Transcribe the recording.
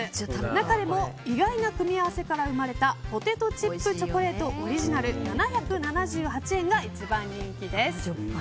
中でも意外な組み合わせから生まれたポテトチップチョコレートオリジナル、７７８円が一番人気です。